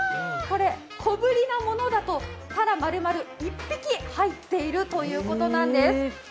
小ぶりのものだとたら丸々１匹入っているということです。